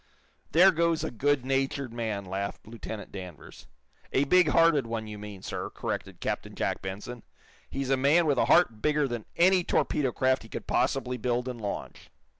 "There goes a good natured man," laughed Lieutenant Danvers. "A big hearted one, you mean, sir," corrected Captain Jack Benson. "He's a man with a heart bigger than any torpedo craft he could possibly build and launch."